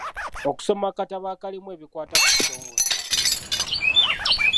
Okusoma akatabo akalimu ebikwata ku kitongole.